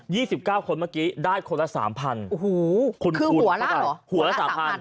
สิบเก้าคนเมื่อกี้ได้คนละสามพันโอ้โหคุณคุณหัวละกันหัวละสามพัน